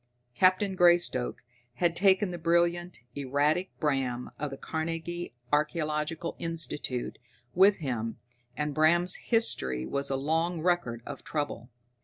Captain Greystoke had taken the brilliant, erratic Bram, of the Carnegie Archaeological Institute, with him, and Bram's history was a long record of trouble.